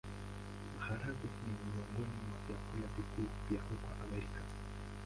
Maharagwe ni miongoni mwa vyakula vikuu vya huko Amerika.